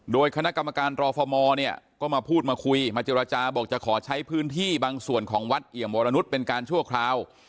โดยคณะกรรมการรอฟมเนี่ยก็มาพูดมาคุยมาเจรจาบอกจะขอใช้พื้นที่บางส่วนของวัดเอี่ยมวรนุษย์เป็นการชั่วคราว